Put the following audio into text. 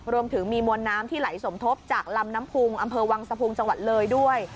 รวมถึงมีมวลน้ำที่ไหลสมทบจากลำน้ำพุงอำเภอวังสะพุงจังหวัดเลยด้วย